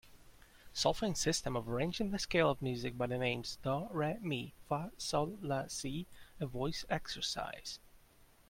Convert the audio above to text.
Solfaing system of arranging the scale of music by the names do, re, mi, fa, sol, la, si a voice exercise.